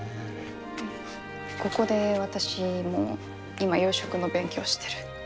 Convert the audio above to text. ここで私も今養殖の勉強してる。